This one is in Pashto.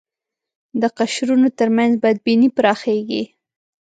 د قشرونو تر منځ بدبینۍ پراخېږي